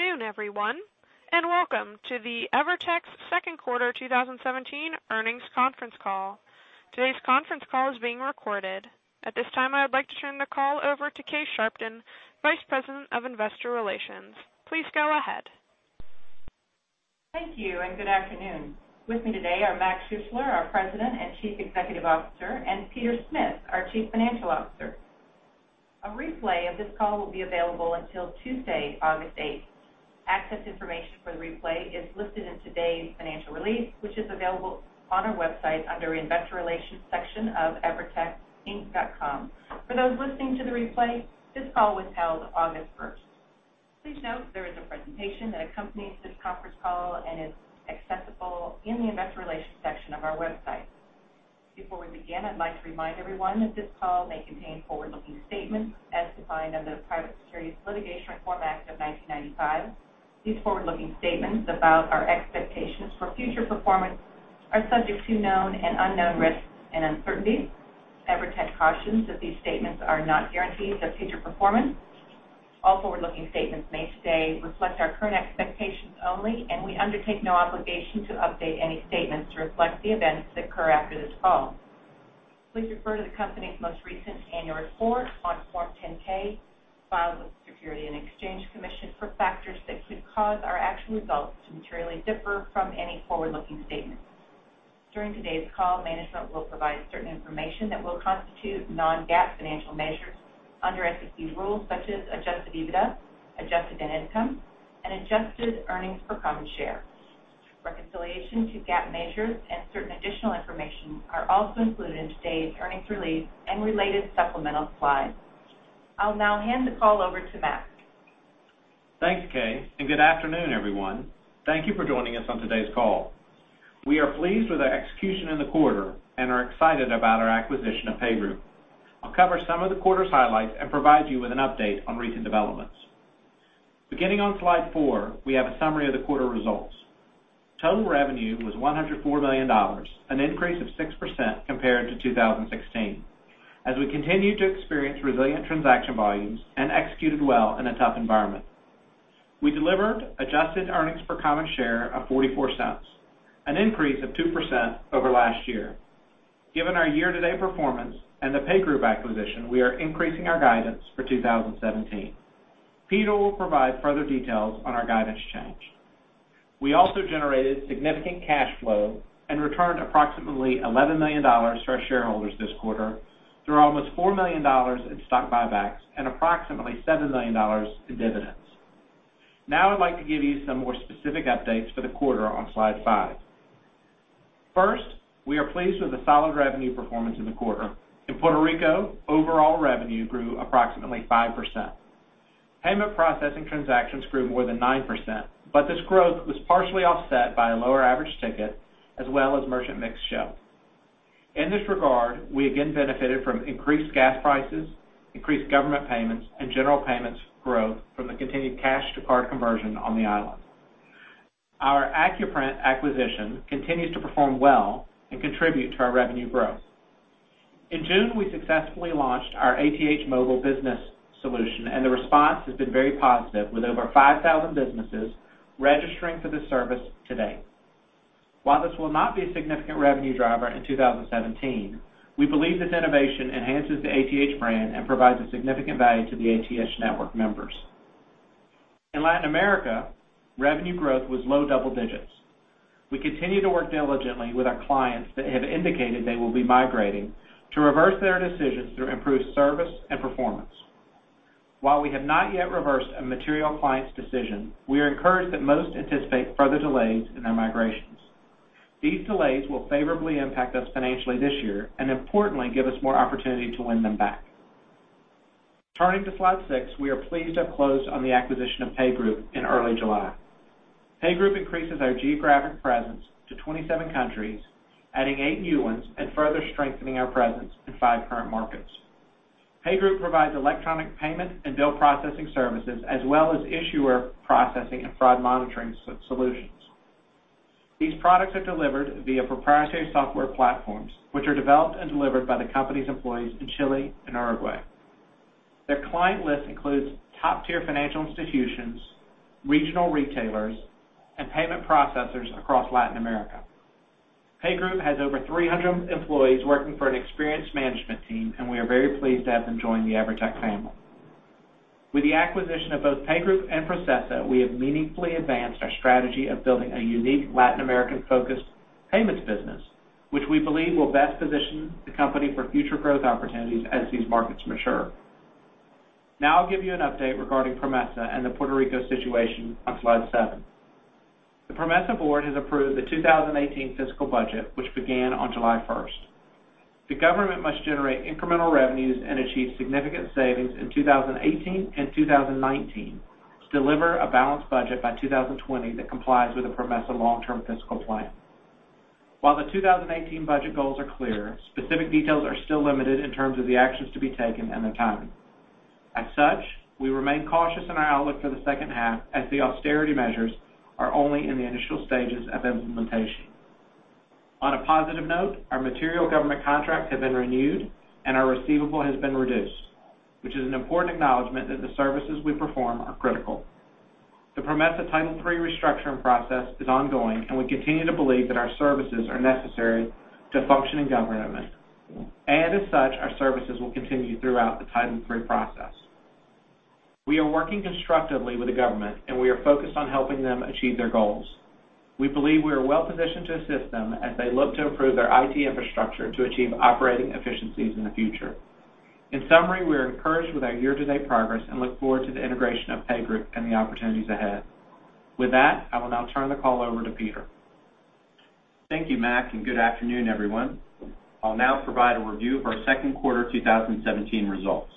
Good afternoon, everyone, welcome to the EVERTEC second quarter 2017 earnings conference call. Today's conference call is being recorded. At this time, I would like to turn the call over to Kay Sharpton, Vice President of Investor Relations. Please go ahead. Thank you, good afternoon. With me today are Mac Schuessler, our President and Chief Executive Officer, and Peter Smith, our Chief Financial Officer. A replay of this call will be available until Tuesday, August 8th. Access information for the replay is listed in today's financial release, which is available on our website under Investor Relations section of evertecinc.com. For those listening to the replay, this call was held August 1st. Please note there is a presentation that accompanies this conference call and is accessible in the Investor Relations section of our website. Before we begin, I'd like to remind everyone that this call may contain forward-looking statements as defined under the Private Securities Litigation Reform Act of 1995. These forward-looking statements about our expectations for future performance are subject to known and unknown risks and uncertainties. EVERTEC cautions that these statements are not guarantees of future performance. All forward-looking statements made today reflect our current expectations only, we undertake no obligation to update any statements to reflect the events that occur after this call. Please refer to the company's most recent annual report on Form 10-K filed with the Securities and Exchange Commission for factors that could cause our actual results to materially differ from any forward-looking statement. During today's call, management will provide certain information that will constitute non-GAAP financial measures under SEC rules such as adjusted EBITDA, adjusted net income, and adjusted earnings per common share. Reconciliation to GAAP measures and certain additional information are also included in today's earnings release and related supplemental slides. I'll now hand the call over to Mac. Thanks, Kay, good afternoon, everyone. Thank you for joining us on today's call. We are pleased with our execution in the quarter and are excited about our acquisition of PayGroup. I'll cover some of the quarter's highlights and provide you with an update on recent developments. Beginning on slide four, we have a summary of the quarter results. Total revenue was $104 million, an increase of 6% compared to 2016, as we continued to experience resilient transaction volumes and executed well in a tough environment. We delivered adjusted earnings per common share of $0.44, an increase of 2% over last year. Given our year-to-date performance and the PayGroup acquisition, we are increasing our guidance for 2017. Peter will provide further details on our guidance change. We also generated significant cash flow and returned approximately $11 million to our shareholders this quarter through almost $4 million in stock buybacks and approximately $7 million in dividends. I'd like to give you some more specific updates for the quarter on slide five. First, we are pleased with the solid revenue performance in the quarter. In Puerto Rico, overall revenue grew approximately 5%. Payment processing transactions grew more than 9%, but this growth was partially offset by a lower average ticket as well as merchant mix shift. In this regard, we again benefited from increased gas prices, increased government payments, and general payments growth from the continued cash to card conversion on the island. Our Accuprint acquisition continues to perform well and contribute to our revenue growth. In June, we successfully launched our ATH Móvil business solution, and the response has been very positive, with over 5,000 businesses registering for the service to date. While this will not be a significant revenue driver in 2017, we believe this innovation enhances the ATH brand and provides a significant value to the ATH network members. In Latin America, revenue growth was low double digits. We continue to work diligently with our clients that have indicated they will be migrating to reverse their decisions through improved service and performance. While we have not yet reversed a material client's decision, we are encouraged that most anticipate further delays in their migrations. These delays will favorably impact us financially this year and importantly give us more opportunity to win them back. Turning to slide six, we are pleased to have closed on the acquisition of PayGroup in early July. PayGroup increases our geographic presence to 27 countries, adding eight new ones and further strengthening our presence in five current markets. PayGroup provides electronic payment and bill processing services, as well as issuer processing and fraud monitoring solutions. These products are delivered via proprietary software platforms, which are developed and delivered by the company's employees in Chile and Uruguay. Their client list includes top-tier financial institutions, regional retailers, and payment processors across Latin America. PayGroup has over 300 employees working for an experienced management team, and we are very pleased to have them join the EVERTEC family. With the acquisition of both PayGroup and Processa, we have meaningfully advanced our strategy of building a unique Latin American-focused payments business, which we believe will best position the company for future growth opportunities as these markets mature. I'll give you an update regarding PROMESA and the Puerto Rico situation on slide seven. The PROMESA board has approved the 2018 fiscal budget, which began on July 1st. The government must generate incremental revenues and achieve significant savings in 2018 and 2019 to deliver a balanced budget by 2020 that complies with the PROMESA long-term fiscal plan. While the 2018 budget goals are clear, specific details are still limited in terms of the actions to be taken and the timing. As such, we remain cautious in our outlook for the second half as the austerity measures are only in the initial stages of implementation. On a positive note, our material government contract has been renewed and our receivable has been reduced, which is an important acknowledgement that the services we perform are critical. The PROMESA Title III restructuring process is ongoing, we continue to believe that our services are necessary to functioning government. As such, our services will continue throughout the Title III process. We are working constructively with the government, and we are focused on helping them achieve their goals. We believe we are well-positioned to assist them as they look to improve their IT infrastructure to achieve operating efficiencies in the future. In summary, we are encouraged with our year-to-date progress and look forward to the integration of PayGroup and the opportunities ahead. With that, I will now turn the call over to Peter. Thank you, Mac, and good afternoon, everyone. I'll now provide a review of our second quarter 2017 results.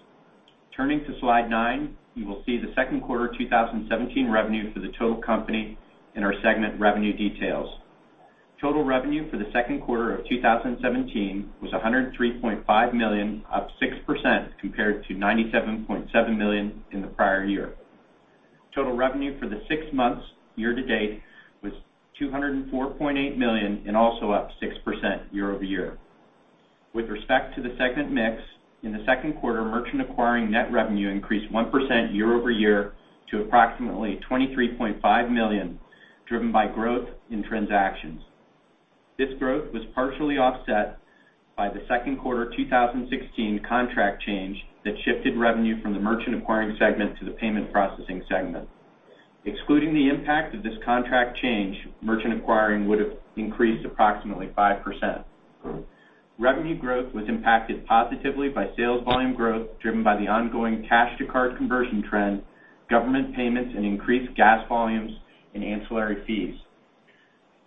Turning to Slide 9, you will see the second quarter 2017 revenue for the total company and our segment revenue details. Total revenue for the second quarter of 2017 was $103.5 million, up 6% compared to $97.7 million in the prior year. Total revenue for the six months year to date was $204.8 million and also up 6% year-over-year. With respect to the segment mix, in the second quarter, merchant acquiring net revenue increased 1% year-over-year to approximately $23.5 million, driven by growth in transactions. This growth was partially offset by the second quarter 2016 contract change that shifted revenue from the merchant acquiring segment to the payment processing segment. Excluding the impact of this contract change, merchant acquiring would've increased approximately 5%. Revenue growth was impacted positively by sales volume growth driven by the ongoing cash-to-card conversion trend, government payments, and increased gas volumes and ancillary fees.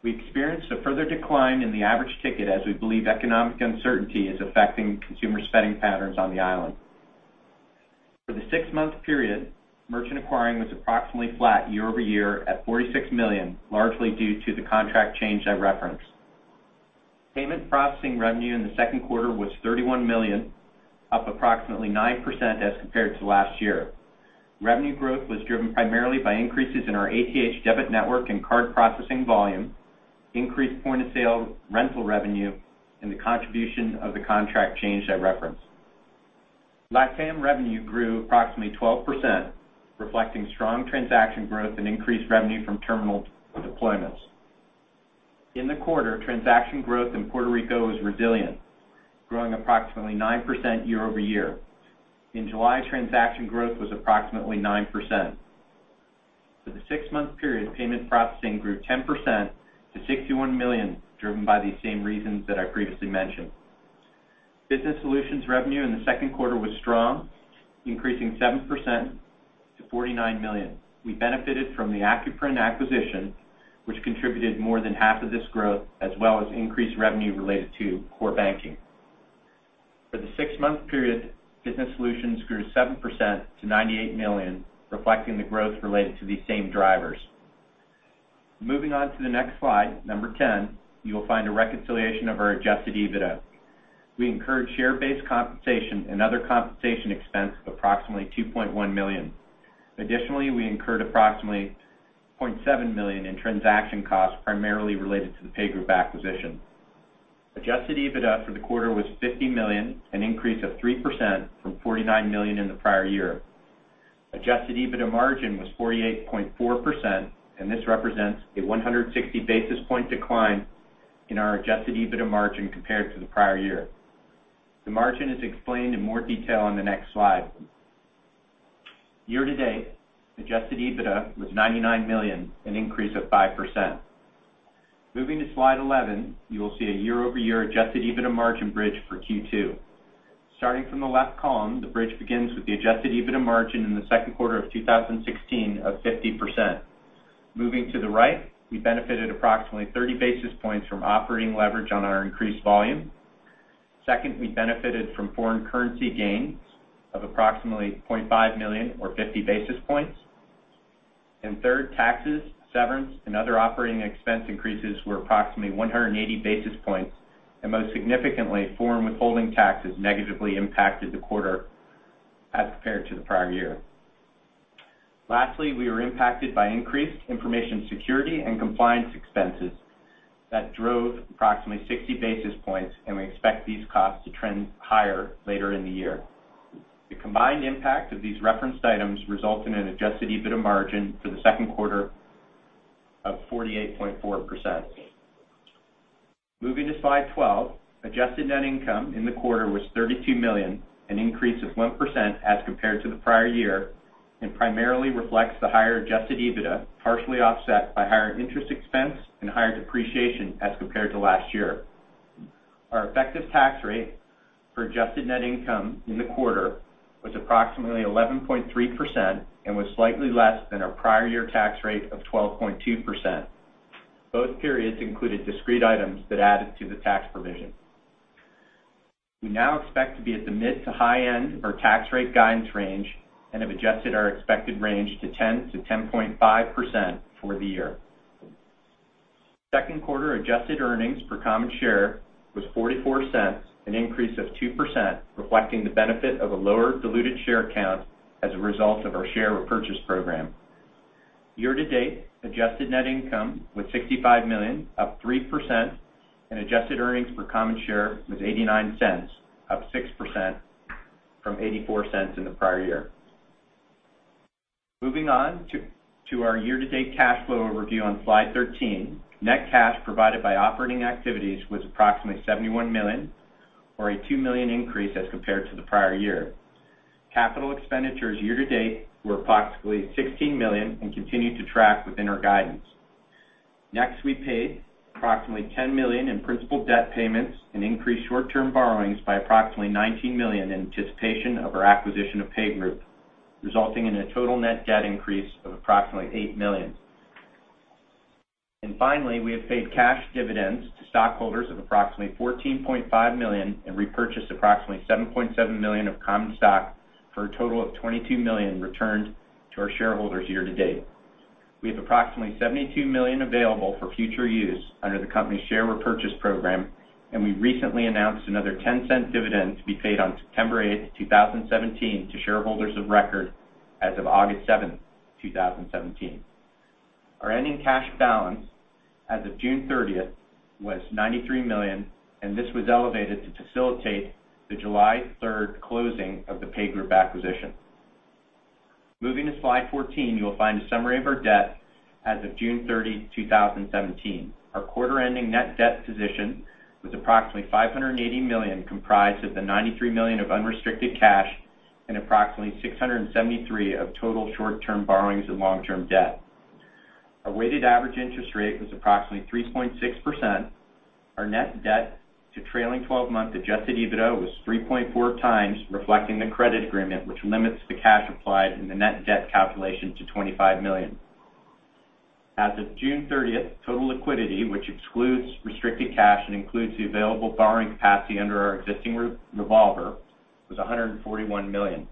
We experienced a further decline in the average ticket as we believe economic uncertainty is affecting consumer spending patterns on the island. For the six-month period, merchant acquiring was approximately flat year-over-year at $46 million, largely due to the contract change I referenced. Payment processing revenue in the second quarter was $31 million, up approximately 9% as compared to last year. Revenue growth was driven primarily by increases in our ATH debit network and card processing volume, increased point-of-sale rental revenue, and the contribution of the contract change I referenced. LATAM revenue grew approximately 12%, reflecting strong transaction growth and increased revenue from terminal deployments. In the quarter, transaction growth in Puerto Rico was resilient, growing approximately 9% year-over-year. In July, transaction growth was approximately 9%. For the six-month period, payment processing grew 10% to $61 million, driven by the same reasons that I previously mentioned. Business solutions revenue in the second quarter was strong, increasing 7% to $49 million. We benefited from the Accuprint acquisition, which contributed more than half of this growth, as well as increased revenue related to core banking. For the six-month period, business solutions grew 7% to $98 million, reflecting the growth related to these same drivers. Moving on to the next slide, number 10, you will find a reconciliation of our adjusted EBITDA. We incurred share-based compensation and other compensation expense of approximately $2.1 million. Additionally, we incurred approximately $0.7 million in transaction costs, primarily related to the PayGroup acquisition. Adjusted EBITDA for the quarter was $50 million, an increase of 3% from $49 million in the prior year. Adjusted EBITDA margin was 48.4%. This represents a 160-basis-point decline in our adjusted EBITDA margin compared to the prior year. The margin is explained in more detail on the next slide. Year-to-date, adjusted EBITDA was $99 million, an increase of 5%. Moving to Slide 11, you will see a year-over-year adjusted EBITDA margin bridge for Q2. Starting from the left column, the bridge begins with the adjusted EBITDA margin in the second quarter of 2016 of 50%. Moving to the right, we benefited approximately 30 basis points from operating leverage on our increased volume. Second, we benefited from foreign currency gains of approximately $0.5 million or 50 basis points. Third, taxes, severance, and other operating expense increases were approximately 180 basis points. Most significantly, foreign withholding taxes negatively impacted the quarter as compared to the prior year. Lastly, we were impacted by increased information security and compliance expenses that drove approximately 60 basis points, and we expect these costs to trend higher later in the year. The combined impact of these referenced items result in an adjusted EBITDA margin for the second quarter of 48.4%. Moving to Slide 12, adjusted net income in the quarter was $32 million, an increase of 1% as compared to the prior year, and primarily reflects the higher adjusted EBITDA, partially offset by higher interest expense and higher depreciation as compared to last year. Our effective tax rate for adjusted net income in the quarter was approximately 11.3% and was slightly less than our prior year tax rate of 12.2%. Both periods included discrete items that added to the tax provision. We now expect to be at the mid to high end of our tax rate guidance range and have adjusted our expected range to 10%-10.5% for the year. Second quarter adjusted earnings per common share was $0.44, an increase of 2%, reflecting the benefit of a lower diluted share count as a result of our share repurchase program. Year-to-date adjusted net income was $65 million, up 3%, and adjusted earnings per common share was $0.89, up 6% from $0.84 in the prior year. Moving on to our year-to-date cash flow overview on slide 13. Net cash provided by operating activities was approximately $71 million, or a $2 million increase as compared to the prior year. Capital expenditures year-to-date were approximately $16 million and continue to track within our guidance. Next, we paid approximately $10 million in principal debt payments and increased short-term borrowings by approximately $19 million in anticipation of our acquisition of PayGroup, resulting in a total net debt increase of approximately $8 million. Finally, we have paid cash dividends to stockholders of approximately $14.5 million and repurchased approximately $7.7 million of common stock for a total of $22 million returned to our shareholders year-to-date. We have approximately $72 million available for future use under the company share repurchase program, and we recently announced another $0.10 dividend to be paid on September 8th, 2017, to shareholders of record as of August 7th, 2017. Our ending cash balance as of June 30th was $93 million, and this was elevated to facilitate the July 3rd closing of the PayGroup acquisition. Moving to slide 14, you will find a summary of our debt as of June 30, 2017. Our quarter-ending net debt position was approximately $580 million, comprised of the $93 million of unrestricted cash and approximately $673 million of total short-term borrowings and long-term debt. Our weighted average interest rate was approximately 3.6%. Our net debt to trailing 12-month adjusted EBITDA was 3.4 times, reflecting the credit agreement which limits the cash applied in the net debt calculation to $25 million. As of June 30th, total liquidity, which excludes restricted cash and includes the available borrowing capacity under our existing revolver, was $141 million.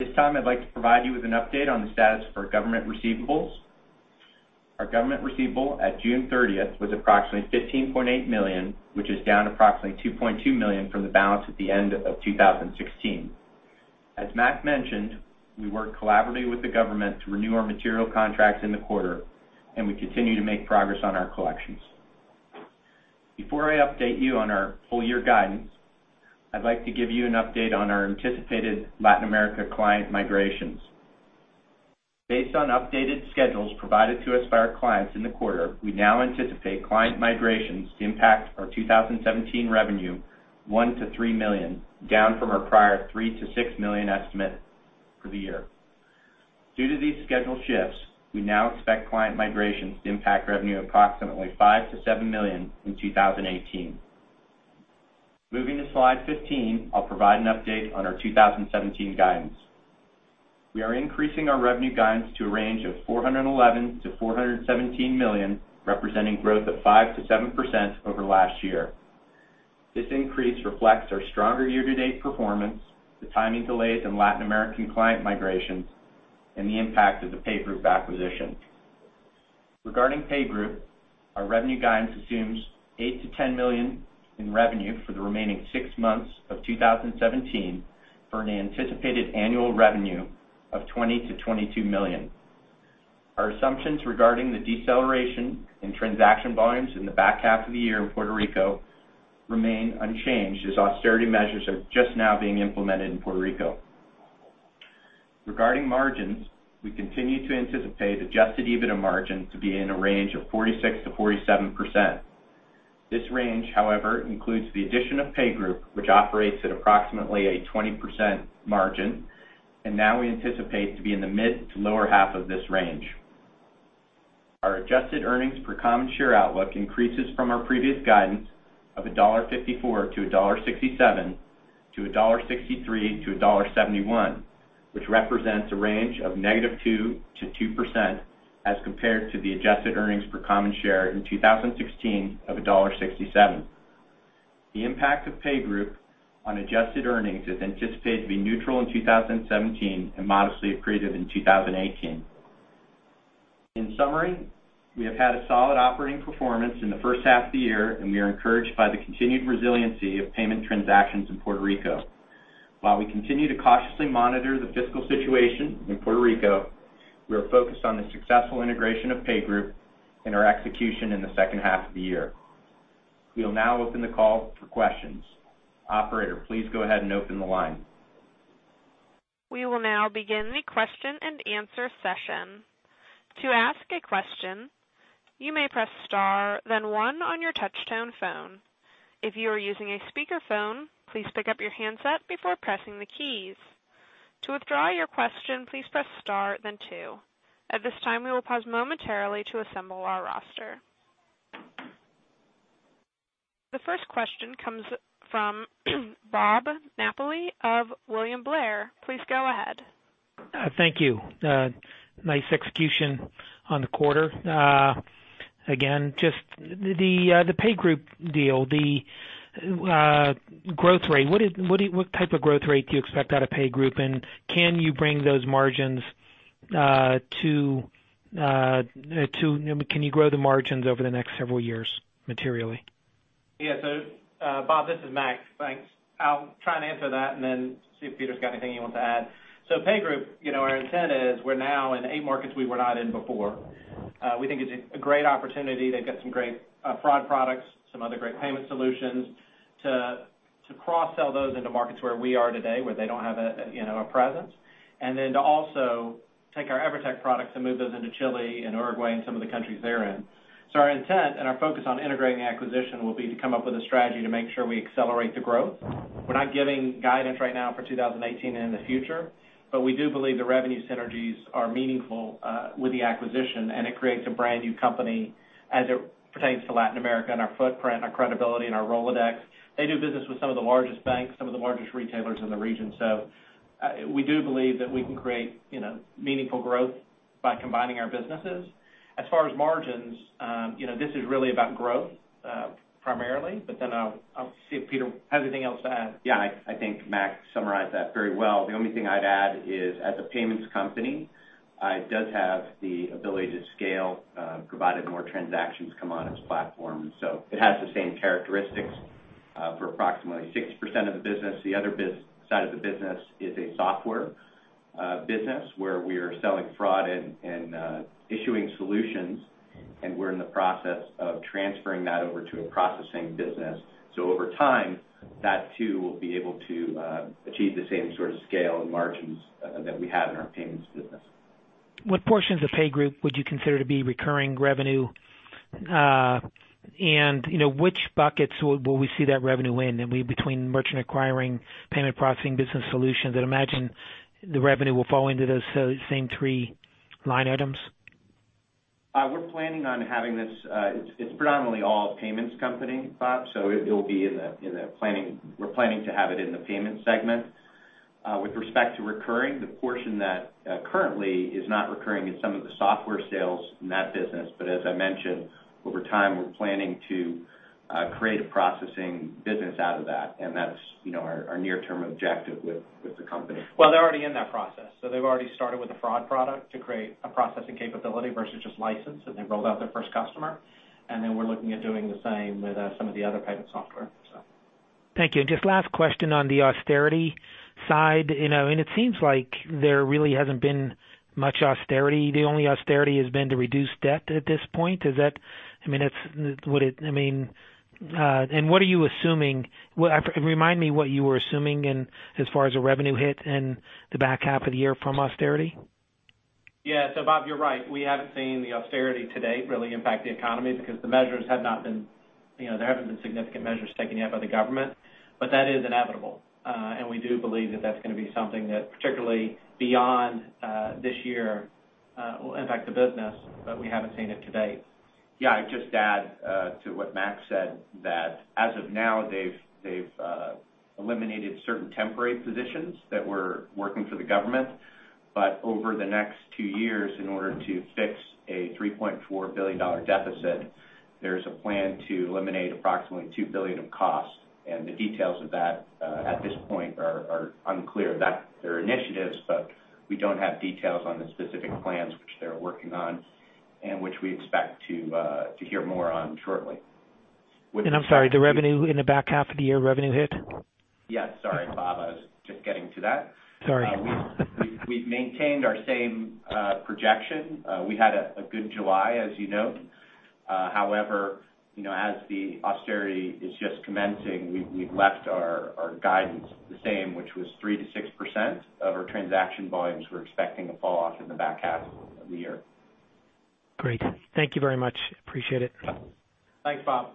At this time, I'd like to provide you with an update on the status of our government receivables. Our government receivable at June 30th was approximately $15.8 million, which is down approximately $2.2 million from the balance at the end of 2016. As Mac mentioned, we worked collaboratively with the government to renew our material contracts in the quarter. We continue to make progress on our collections. Before I update you on our full-year guidance, I'd like to give you an update on our anticipated Latin America client migrations. Based on updated schedules provided to us by our clients in the quarter, we now anticipate client migrations to impact our 2017 revenue $1 million to $3 million, down from our prior $3 million to $6 million estimate for the year. Due to these schedule shifts, we now expect client migrations to impact revenue approximately $5 million to $7 million in 2018. Moving to slide 15, I'll provide an update on our 2017 guidance. We are increasing our revenue guidance to a range of $411 million to $417 million, representing growth of 5% to 7% over last year. This increase reflects our stronger year-to-date performance, the timing delays in Latin American client migrations, and the impact of the PayGroup acquisition. Regarding PayGroup, our revenue guidance assumes $8 million to $10 million in revenue for the remaining six months of 2017 for an anticipated annual revenue of $20 million to $22 million. Our assumptions regarding the deceleration in transaction volumes in the back half of the year in Puerto Rico remain unchanged as austerity measures are just now being implemented in Puerto Rico. Regarding margins, we continue to anticipate adjusted EBITDA margin to be in a range of 46% to 47%. This range, however, includes the addition of PayGroup, which operates at approximately a 20% margin. Now we anticipate to be in the mid to lower half of this range. Our adjusted earnings per common share outlook increases from our previous guidance of $1.54 to $1.67 to $1.63 to $1.71, which represents a range of -2% to 2% as compared to the adjusted earnings per common share in 2016 of $1.67. The impact of PayGroup on adjusted earnings is anticipated to be neutral in 2017 and modestly accretive in 2018. We have had a solid operating performance in the first half of the year. We are encouraged by the continued resiliency of payment transactions in Puerto Rico. We continue to cautiously monitor the fiscal situation in Puerto Rico, we are focused on the successful integration of PayGroup and our execution in the second half of the year. We'll now open the call for questions. Operator, please go ahead and open the line. We will now begin the question and answer session. To ask a question, you may press star then one on your touchtone phone. If you are using a speakerphone, please pick up your handset before pressing the keys. To withdraw your question, please press star then two. At this time, we will pause momentarily to assemble our roster. The first question comes from Bob Napoli of William Blair. Please go ahead. Thank you. Nice execution on the quarter. Again, just the PayGroup deal, the growth rate. What type of growth rate do you expect out of PayGroup, and can you grow the margins over the next several years materially? Yeah. Bob, this is Mac. Thanks. I'll try and answer that and then see if Peter's got anything he wants to add. PayGroup, our intent is we're now in eight markets we were not in before. We think it's a great opportunity. They've got some great fraud products, some other great payment solutions to cross-sell those into markets where we are today where they don't have a presence. To also take our EVERTEC products and move those into Chile and Uruguay and some of the countries they're in. Our intent and our focus on integrating the acquisition will be to come up with a strategy to make sure we accelerate the growth. We're not giving guidance right now for 2018 and in the future, we do believe the revenue synergies are meaningful with the acquisition, and it creates a brand new company as it pertains to Latin America and our footprint, our credibility, and our Rolodex. They do business with some of the largest banks, some of the largest retailers in the region. We do believe that we can create meaningful growth by combining our businesses. As far as margins, this is really about growth primarily. I'll see if Peter has anything else to add. Yeah, I think Mac summarized that very well. The only thing I'd add is as a payments company, it does have the ability to scale provided more transactions come on as platforms. It has the same characteristics for approximately 60% of the business. The other side of the business is a software business where we are selling fraud and issuing solutions, and we're in the process of transferring that over to a processing business. Over time, that too will be able to achieve the same sort of scale and margins that we have in our payments business. What portions of PayGroup would you consider to be recurring revenue? Which buckets will we see that revenue in? Between merchant acquiring, payment processing, business solutions, I'd imagine the revenue will fall into those same three line items. We're planning on having it's predominantly all payments company, Bob, so we're planning to have it in the payment segment. With respect to recurring, the portion that currently is not recurring is some of the software sales in that business. As I mentioned, over time, we're planning to create a processing business out of that, and that's our near-term objective with the company. Well, they're already in that process. They've already started with a fraud product to create a processing capability versus just license, and they rolled out their first customer. Then we're looking at doing the same with some of the other payment software. Thank you. Just last question on the austerity side. It seems like there really hasn't been much austerity. The only austerity has been to reduce debt at this point. What you were assuming as far as a revenue hit in the back half of the year from austerity. Yeah. Bob, you're right. We haven't seen the austerity to date really impact the economy because there haven't been significant measures taken yet by the government. That is inevitable. We do believe that that's going to be something that particularly beyond this year will impact the business, but we haven't seen it to date. Yeah. I'd just add to what Mac said that as of now they've eliminated certain temporary positions that were working for the government. Over the next two years, in order to fix a $3.4 billion deficit, there's a plan to eliminate approximately $2 billion of costs. The details of that at this point are unclear. They're initiatives, but we don't have details on the specific plans which they're working on and which we expect to hear more on shortly. I'm sorry, the revenue in the back half of the year revenue hit? Yeah, sorry, Bob, I was just getting to that. Sorry. We've maintained our same projection. We had a good July, as you know. As the austerity is just commencing, we've left our guidance the same, which was 3%-6% of our transaction volumes we're expecting to fall off in the back half of the year. Great. Thank you very much. Appreciate it. Thanks, Bob.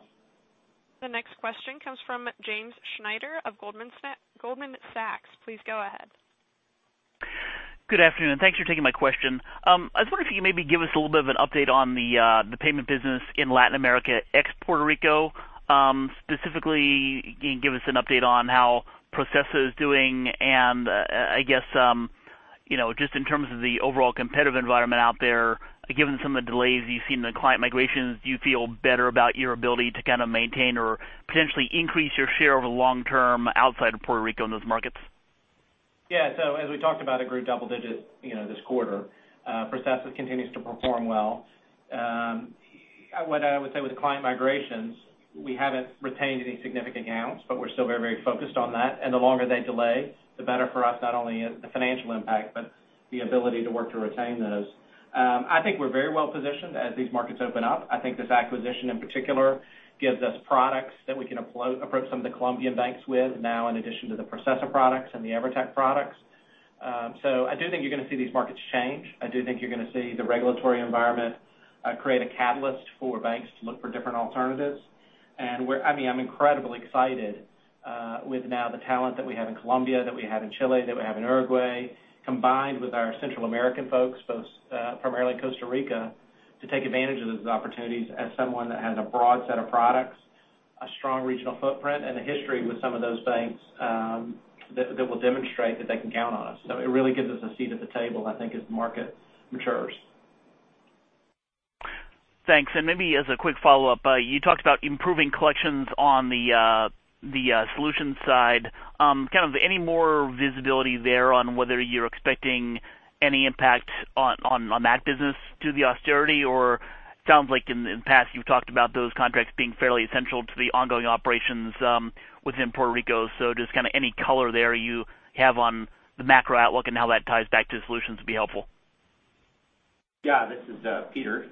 The next question comes from James Schneider of Goldman Sachs. Please go ahead. Good afternoon. Thanks for taking my question. I was wondering if you could maybe give us a little bit of an update on the payment business in Latin America, ex Puerto Rico. Specifically, can you give us an update on how Processa is doing and I guess just in terms of the overall competitive environment out there, given some of the delays you've seen in the client migrations, do you feel better about your ability to kind of maintain or potentially increase your share over the long term outside of Puerto Rico in those markets? As we talked about, it grew double digits this quarter. Processa continues to perform well. What I would say with client migrations, we haven't retained any significant accounts, but we're still very focused on that. The longer they delay, the better for us, not only the financial impact, but the ability to work to retain those. I think we're very well positioned as these markets open up. I think this acquisition in particular gives us products that we can approach some of the Colombian banks with now in addition to the Processa products and the EVERTEC products. I do think you're going to see these markets change. I do think you're going to see the regulatory environment create a catalyst for banks to look for different alternatives. I'm incredibly excited with now the talent that we have in Colombia, that we have in Chile, that we have in Uruguay, combined with our Central American folks, primarily Costa Rica, to take advantage of those opportunities as someone that has a broad set of products, a strong regional footprint, and a history with some of those banks that will demonstrate that they can count on us. It really gives us a seat at the table, I think, as the market matures. Thanks. Maybe as a quick follow-up, you talked about improving collections on the solutions side. Kind of any more visibility there on whether you're expecting any impact on that business due to the austerity or Sounds like in the past you've talked about those contracts being fairly essential to the ongoing operations within Puerto Rico. Just any color there you have on the macro outlook and how that ties back to solutions would be helpful. Yeah. This is Peter.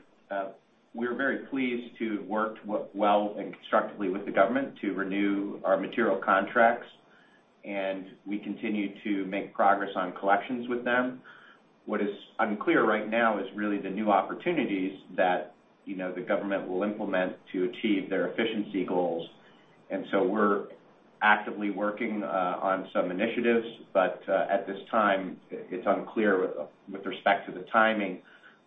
We're very pleased to have worked well and constructively with the government to renew our material contracts, and we continue to make progress on collections with them. What is unclear right now is really the new opportunities that the government will implement to achieve their efficiency goals. We're actively working on some initiatives, but at this time, it's unclear with respect to the timing.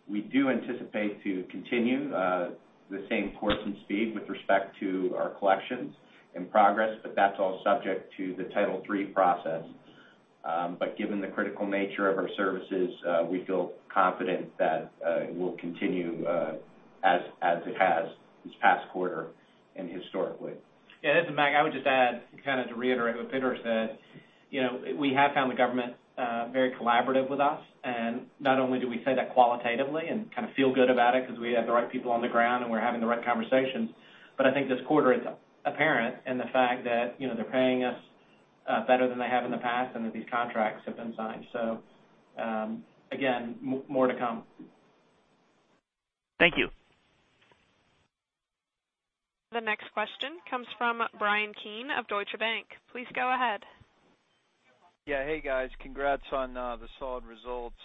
We do anticipate to continue the same course and speed with respect to our collections and progress, but that's all subject to the Title III process. Given the critical nature of our services, we feel confident that it will continue as it has this past quarter and historically. Yeah, this is Mac. I would just add to reiterate what Peter said. We have found the government very collaborative with us, and not only do we say that qualitatively and kind of feel good about it because we have the right people on the ground and we're having the right conversations, but I think this quarter it's apparent in the fact that they're paying us better than they have in the past and that these contracts have been signed. Again, more to come. Thank you. The next question comes from Bryan Keane of Deutsche Bank. Please go ahead. Hey, guys. Congrats on the solid results.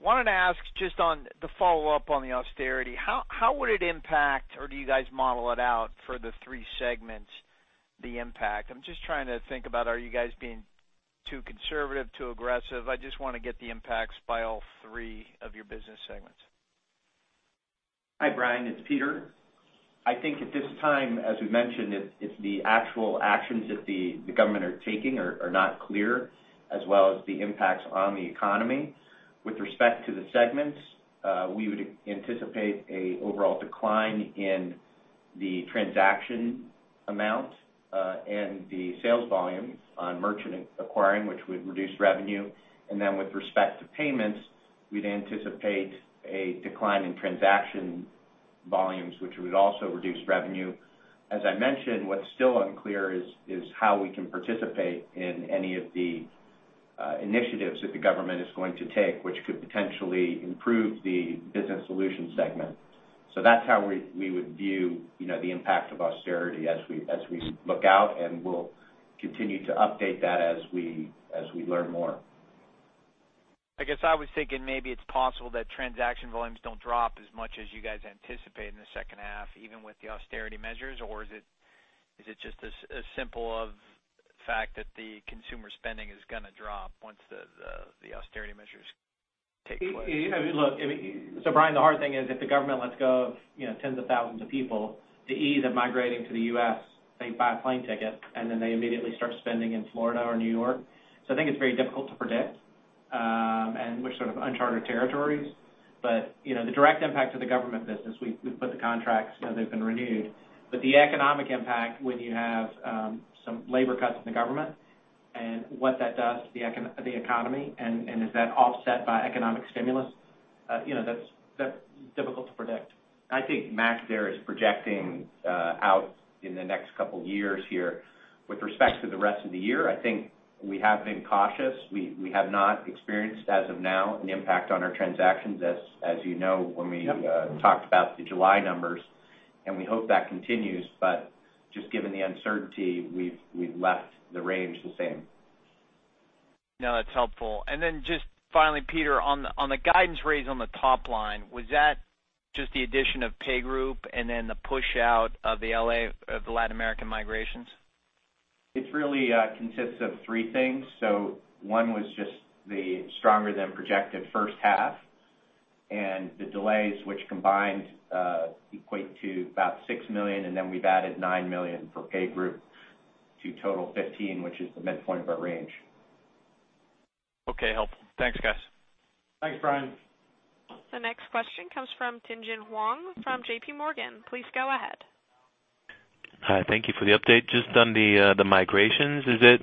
Wanted to ask just on the follow-up on the austerity, how would it impact, or do you guys model it out for the three segments, the impact? I'm just trying to think about, are you guys being too conservative, too aggressive? I just want to get the impacts by all three of your business segments. Hi, Bryan. It's Peter. I think at this time, as we've mentioned, it's the actual actions that the government are taking are not clear, as well as the impacts on the economy. With respect to the segments, we would anticipate a overall decline in the transaction amount, and the sales volume on merchant acquiring, which would reduce revenue. With respect to payments, we'd anticipate a decline in transaction volumes, which would also reduce revenue. As I mentioned, what's still unclear is how we can participate in any of the initiatives that the government is going to take, which could potentially improve the business solutions segment. That's how we would view the impact of austerity as we look out, and we'll continue to update that as we learn more. I guess I was thinking maybe it's possible that transaction volumes don't drop as much as you guys anticipate in the second half, even with the austerity measures. Is it just as simple of fact that the consumer spending is going to drop once the austerity measures take place? Bryan, the hard thing is if the government lets go tens of thousands of people, the ease of migrating to the U.S., they buy a plane ticket, and then they immediately start spending in Florida or New York. I think it's very difficult to predict, and we're sort of uncharted territories. The direct impact to the government business, we've put the contracts, they've been renewed. The economic impact when you have some labor cuts in the government and what that does to the economy, and is that offset by economic stimulus, that's difficult to predict. I think Mac there is projecting out in the next couple of years here. With respect to the rest of the year, I think we have been cautious. We have not experienced, as of now, an impact on our transactions, as you know when we talked about the July numbers, and we hope that continues. Just given the uncertainty, we've left the range the same. No, that's helpful. Just finally, Peter, on the guidance raise on the top line, was that just the addition of PayGroup and the push out of the Latin American migrations? It really consists of three things. One was just the stronger-than-projected first half and the delays which combined equate to about $6 million, and then we've added $9 million for PayGroup to total 15, which is the midpoint of our range. Okay. Helpful. Thanks, guys. Thanks, Bryan. The next question comes from Tien-tsin Huang from JPMorgan. Please go ahead. Hi. Thank you for the update. Just on the migrations, is it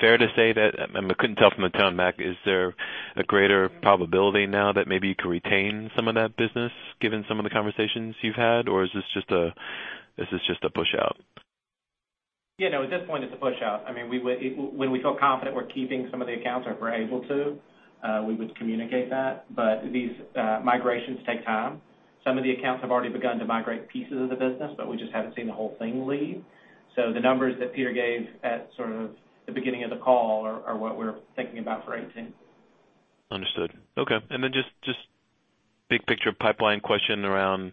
fair to say that, I couldn't tell from the tone, Mac, is there a greater probability now that maybe you could retain some of that business given some of the conversations you've had, or is this just a push out? Yeah, no, at this point it's a push out. When we feel confident we're keeping some of the accounts or if we're able to, we would communicate that. These migrations take time. Some of the accounts have already begun to migrate pieces of the business, but we just haven't seen the whole thing leave. The numbers that Peter gave at sort of the beginning of the call are what we're thinking about for 2018. Understood. Okay. Just big picture pipeline question around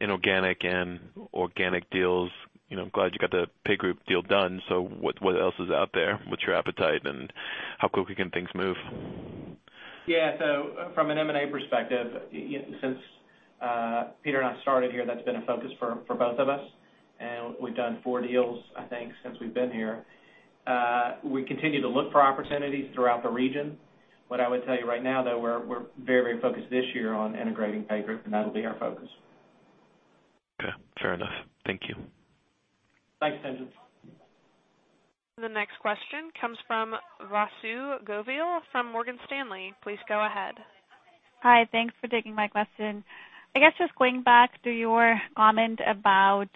inorganic and organic deals. I'm glad you got the PayGroup deal done. What else is out there? What's your appetite and how quickly can things move? Yeah. From an M&A perspective, since Peter and I started here, that's been a focus for both of us, and we've done four deals, I think, since we've been here. We continue to look for opportunities throughout the region. What I would tell you right now, though, we're very focused this year on integrating PayGroup, and that'll be our focus. Fair enough. Thank you. Thanks, Tien-tsin. The next question comes from Vasundhara Govil from Morgan Stanley. Please go ahead. Hi. Thanks for taking my question. I guess just going back to your comment about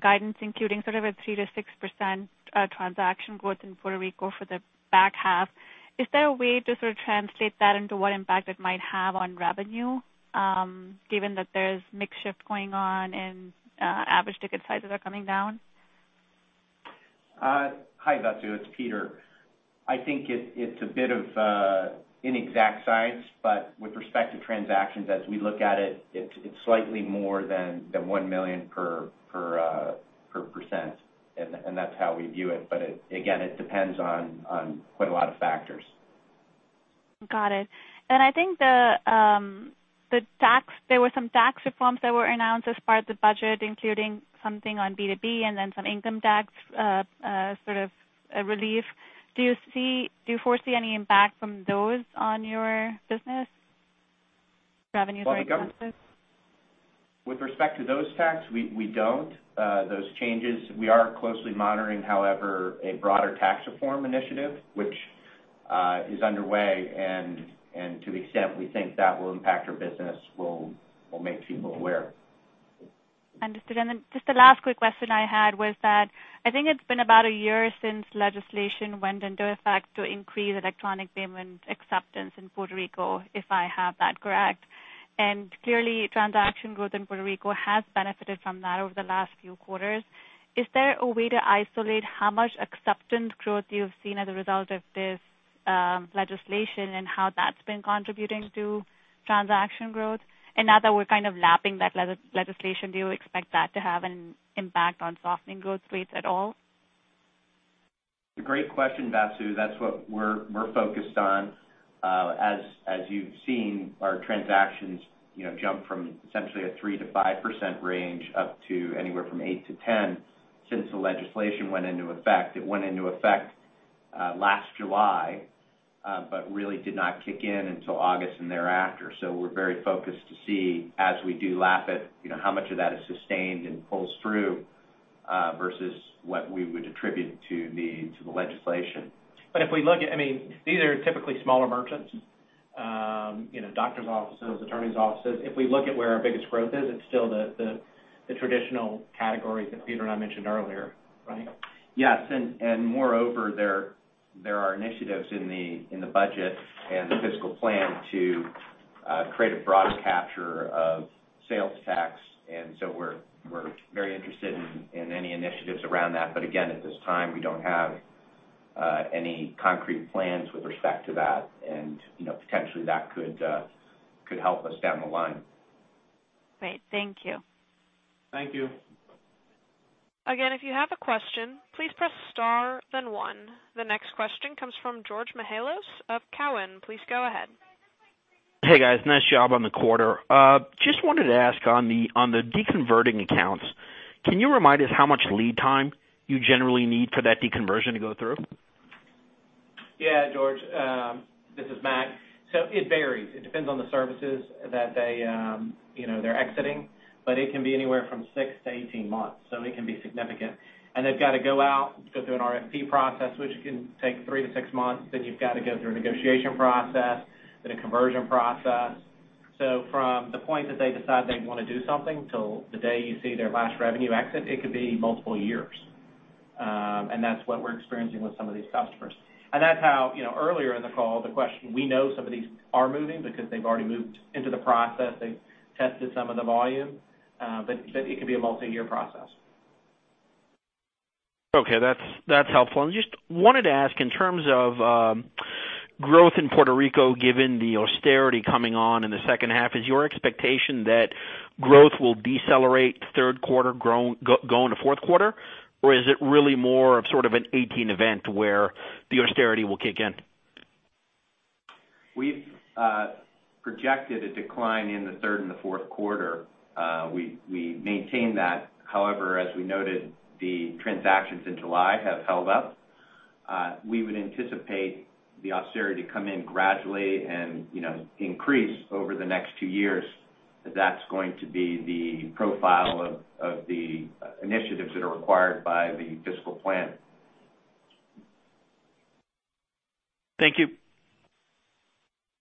guidance including sort of a 3%-6% transaction growth in Puerto Rico for the back half. Is there a way to sort of translate that into what impact it might have on revenue, given that there's mix shift going on and average ticket sizes are coming down? Hi, Vasu. It's Peter. I think it's a bit of an inexact science, but with respect to transactions as we look at it's slightly more than the one million per %. That's how we view it. Again, it depends on quite a lot of factors. Got it. I think there were some tax reforms that were announced as part of the budget, including something on B2B and then some income tax, sort of a relief. Do you foresee any impact from those on your business revenues or expenses? With respect to those tax, we don't. Those changes we are closely monitoring however a broader tax reform initiative which is underway and to the extent we think that will impact our business, we'll make people aware. Understood. Then just the last quick question I had was that I think it's been about a year since legislation went into effect to increase electronic payment acceptance in Puerto Rico, if I have that correct. Clearly transaction growth in Puerto Rico has benefited from that over the last few quarters. Is there a way to isolate how much acceptance growth you've seen as a result of this legislation and how that's been contributing to transaction growth? Now that we're kind of lapping that legislation, do you expect that to have an impact on softening growth rates at all? Great question, Vasu. That's what we're focused on. As you've seen our transactions jump from essentially a 3%-5% range up to anywhere from 8%-10% since the legislation went into effect. It went into effect last July but really did not kick in until August and thereafter. We're very focused to see as we do lap it, how much of that is sustained and pulls through versus what we would attribute to the legislation. These are typically smaller merchants. Doctor's offices, attorney's offices. If we look at where our biggest growth is, it's still the traditional categories that Peter and I mentioned earlier, right? Yes. Moreover, there are initiatives in the budget and the fiscal plan to create a broad capture of sales tax. So we're very interested in any initiatives around that. Again, at this time, we don't have any concrete plans with respect to that. Potentially that could help us down the line. Great. Thank you. Thank you. If you have a question, please press star then one. The next question comes from George Mihalos of Cowen. Please go ahead. Hey, guys. Nice job on the quarter. Just wanted to ask on the deconverting accounts, can you remind us how much lead time you generally need for that deconversion to go through? Yeah, George, this is Mac. It varies. It depends on the services that they're exiting, but it can be anywhere from 6 to 18 months. It can be significant. They've got to go out, go through an RFP process, which can take 3 to 6 months. You've got to go through a negotiation process, then a conversion process. From the point that they decide they want to do something till the day you see their last revenue exit, it could be multiple years. That's what we're experiencing with some of these customers. That's how earlier in the call, the question, we know some of these are moving because they've already moved into the process. They've tested some of the volume but it could be a multi-year process. Okay. That's helpful. Just wanted to ask in terms of growth in Puerto Rico, given the austerity coming on in the second half, is your expectation that growth will decelerate third quarter go into fourth quarter? Or is it really more of sort of a 2018 event where the austerity will kick in? We've projected a decline in the third and the fourth quarter. We maintain that. However, as we noted, the transactions in July have held up. We would anticipate the austerity to come in gradually and increase over the next two years. That's going to be the profile of the initiatives that are required by the fiscal plan. Thank you.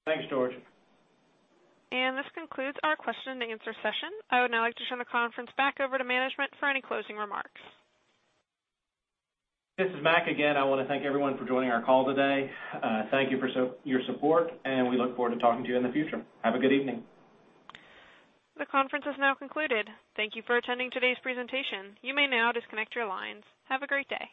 Thanks, George. This concludes our question and answer session. I would now like to turn the conference back over to management for any closing remarks. This is Mac again. I want to thank everyone for joining our call today. Thank you for your support, we look forward to talking to you in the future. Have a good evening. The conference has now concluded. Thank you for attending today's presentation. You may now disconnect your lines. Have a great day.